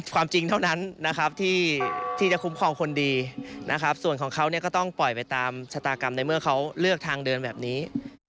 ความจริงเท่านั้นนะครับที่จะคุ้มครองคนดีนะครับส่วนของเขาเนี่ยก็ต้องปล่อยไปตามชะตากรรมในเมื่อเขาเลือกทางเดินแบบนี้